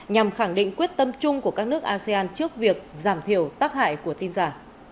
nhằm khẳng định quyết tâm chung của các nước asean trước việc giảm thiểu tác hại của tin giả